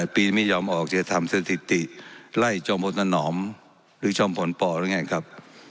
ปีไม่ยอมออกจะทำสถิติไล่จอมพลสนอมหรือจอมผลปอหรือไงครับ